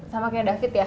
sama kayak david ya